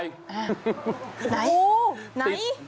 ไหนไหน